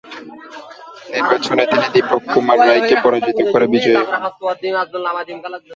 নির্বাচনে তিনি দীপক কুমার রায়কে পরাজিত করে বিজয়ী হন।